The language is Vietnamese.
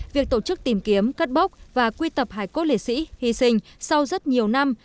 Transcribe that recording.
việc tổ chức tìm kiếm cắt bóc và quy tập hai cốt liệt sĩ hy sinh sau rất nhiều năm